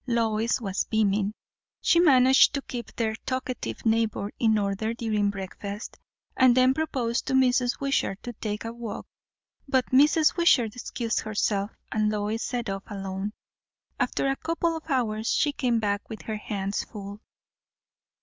Lois was beaming. She managed to keep their talkative neighbour in order during breakfast; and then proposed to Mrs. Wishart to take a walk. But Mrs. Wishart excused herself, and Lois set off alone. After a couple of hours she came back with her hands full.